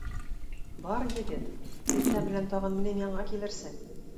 Бар, егет, иртә белән тагын минем янга килерсең.